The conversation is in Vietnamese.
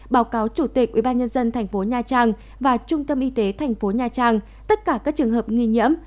báo cáo chủ tịch ubnd tp nha trang và trung tâm y tế tp nha trang tất cả các trường hợp nghi nhiễm